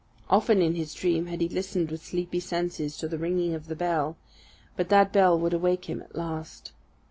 Often in his dream had he listened with sleepy senses to the ringing of the bell, but that bell would awake him at last.